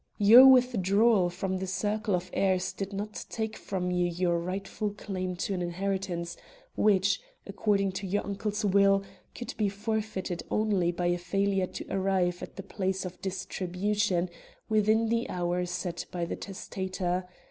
"Your withdrawal from the circle of heirs did not take from you your rightful claim to an inheritance which, according to your uncle's will, could be forfeited only by a failure to arrive at the place of distribution within the hour set by the testator.